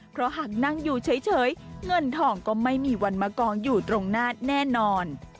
เพราะหากนั่งอยู่เฉยเงินทองก็ไม่มีวันมากองอยู่ตรงหน้าแน่นอน